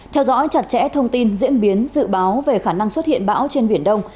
theo dõi chặt chẽ thông tin diễn biến dự báo về khả năng xuất hiện bão trên biển đông